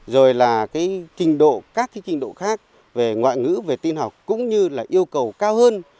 rồi là các trình độ khác về ngoại ngữ về tin học cũng như yêu cầu cao hơn